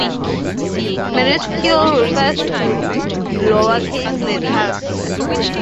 "Minuscule" refers to lower-case letters.